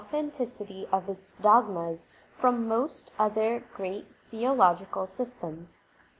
INTRODUCTION liii its dogmas from most other great theological systems.